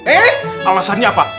eh alasannya apa